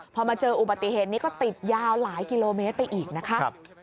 พอมาเจออุบัติเหตุนี้ก็ติดยาวหลายกิโลเมตรไปอีกนะคะ